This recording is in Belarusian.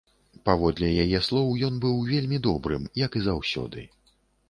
Паводле яе слоў, ён быў вельмі добрым, як і заўсёды.